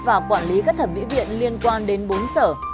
và quản lý các thẩm mỹ viện liên quan đến bốn sở